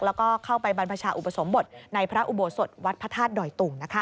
แล้วก็เข้าไปบรรพชาอุปสมบทในพระอุโบสถวัดพระธาตุดอยตุง